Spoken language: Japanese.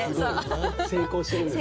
成功してるんですね。